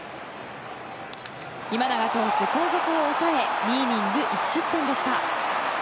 今永投手、後続を抑え２イニング１失点でした。